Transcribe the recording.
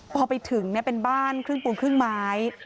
พอไปถึงเป็นบ้านครึ่งปูนครึ่งไม้